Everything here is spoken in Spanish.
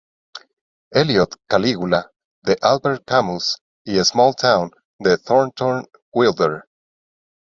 Eliot, "Calígula", de Albert Camus, y "Small Town", de Thornton Wilder.